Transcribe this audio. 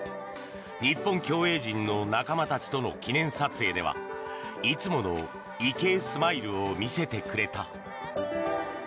日本競泳陣の仲間たちとの記念撮影ではいつもの池江スマイルを見せてくれた。